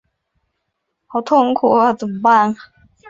邱进益早年毕业于国立政治大学外交系。